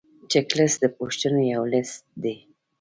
چک لیست د پوښتنو یو لیست دی.